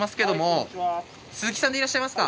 鈴木さんでいらっしゃいますか？